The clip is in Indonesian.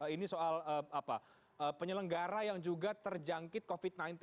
ini soal penyelenggara yang juga terjangkit covid sembilan belas